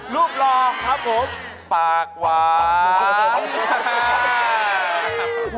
รูปรอบครับผมปากหวาน